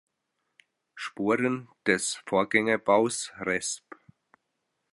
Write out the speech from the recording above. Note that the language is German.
Spuren des Vorgängerbaus resp.